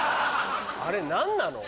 あれ何なの？